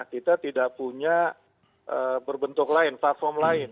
kita tidak punya berbentuk lain platform lain